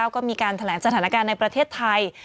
ก็มีการแถลงสถานการณ์ในประเทศไทย